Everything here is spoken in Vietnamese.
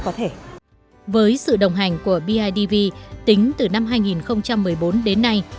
với sự đồng hành của bidv tính từ năm hai nghìn một mươi bốn đến nay